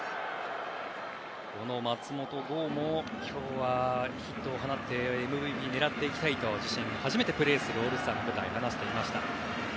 この松本剛も今日はヒットを放ってＭＶＰを狙っていきたいと自身初めてプレーするオールスターの舞台話していました。